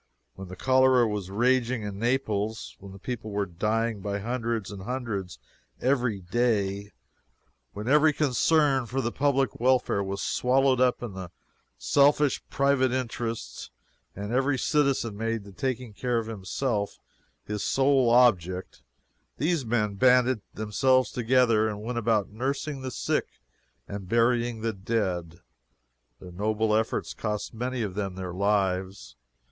When the cholera was raging in Naples; when the people were dying by hundreds and hundreds every day; when every concern for the public welfare was swallowed up in selfish private interest, and every citizen made the taking care of himself his sole object, these men banded themselves together and went about nursing the sick and burying the dead. Their noble efforts cost many of them their lives.